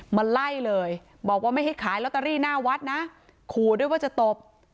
มาไล่เลยบอกว่าไม่ให้ขายลอตเตอรี่หน้าวัดนะขู่ด้วยว่าจะตบ